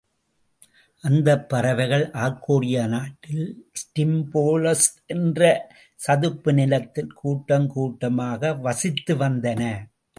அந்தப் பறவைகள் ஆர்க்கேடியா நாட்டில் ஸ்டிம்பேலஸ் என்ற சதுப்பு நிலத்தில் கூட்டம் கூட்டமாக வசித்து வந்தன.